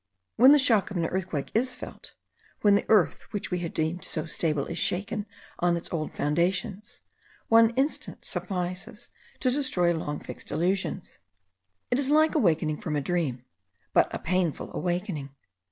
When the shock of an earthquake is felt, when the earth which we had deemed so stable is shaken on its old foundations, one instant suffices to destroy long fixed illusions. It is like awakening from a dream; but a painful awakening.